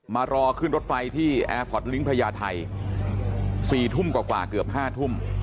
มารอขึ้นรถไฟที่แอร์พอร์ตลิงค์พญาไทย๔ทุ่มกว่าเกือบ๕ทุ่ม